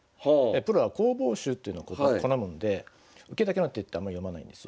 プロは攻防手というのを好むんで受けだけの手ってあんま読まないんですよ。